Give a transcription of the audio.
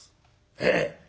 ええ。